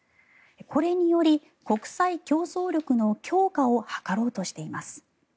これにより国際競争力の強化を図ろうとしています。